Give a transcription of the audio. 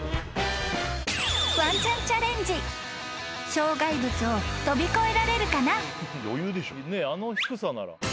［障害物を跳び越えられるかな？］